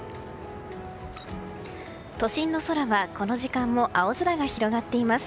都心の空はこの時間も青空が広がっています。